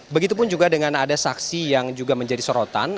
begitupun juga dengan ada saksi yang juga menjadi sorotan